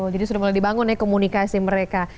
jadi sudah mulai dibangun ya komunikasi mereka